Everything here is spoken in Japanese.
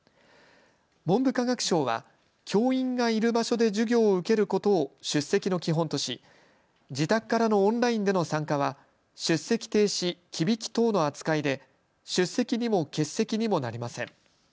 文部科学省は教員がいる場所で授業を受けることを出席の基本とし自宅からオンラインでの参加は出席停止・忌引き等の扱いで出席にも欠席にもなりません。